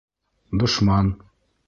Дошман!